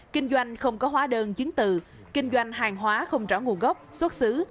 kinh doanh không có hóa đơn chứng từ kinh doanh hàng hóa không rõ nguồn gốc xuất xứ